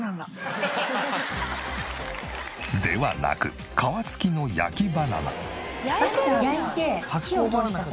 ではなく皮つきの焼きバナナ。